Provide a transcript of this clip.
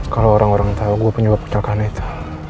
kalau orang orang tahu gue penyebab kecelakaan itu